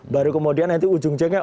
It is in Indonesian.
baru kemudian nanti ujung jengnya